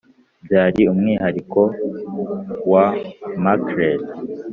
byari umwihariko wa marclette.